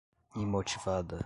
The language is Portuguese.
imotivada